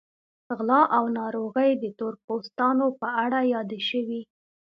غلا او ناروغۍ د تور پوستانو په اړه یادې شوې.